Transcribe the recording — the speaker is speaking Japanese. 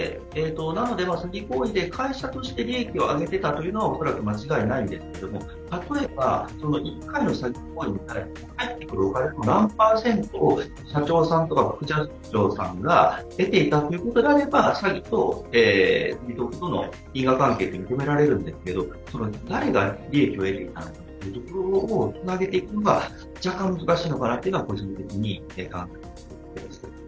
詐欺行為で会社として利益を上げていたのは恐らく間違いないんですけど、例えば１回の詐欺行為に対して返ってくるお金の何％を社長さんとか副社長さんが得ていたということであれば、詐欺との因果関係は認められると思うんですけど、誰が利益を得ていたのかというところをつなげていくのが若干難しいのかなと個人的に思います。